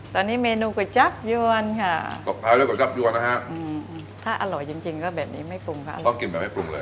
ตอนนี้เมนูก๋วยจั๊บยวนค่ะถ้าอร่อยจริงก็แบบนี้ไม่ปรุงค่ะต้องกินแบบไม่ปรุงเลย